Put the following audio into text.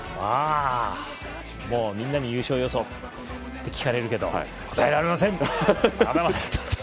みんなに優勝予想は？って聞かれるけど答えられません！